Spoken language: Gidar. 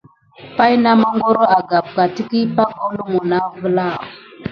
Pay na magoro agamka diki pay holumi kivela.